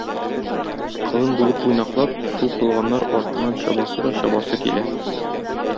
Колын булып уйнаклап, шул кылганнар артыннан чабасы да чабасы килә.